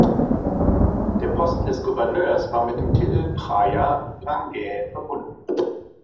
Der Posten des Gouverneurs war mit dem Titel Phraya Ra-ngae verbunden.